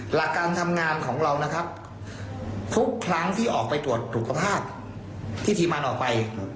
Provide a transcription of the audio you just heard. หลักการทำงานของเรานะครับทุกครั้งที่ออกไปตรวจสุขภาพที่ทีมมันออกไป